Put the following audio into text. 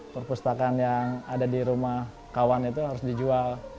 perpustakaan yang ada di rumah kawan itu harus dijual